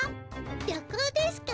旅行ですか？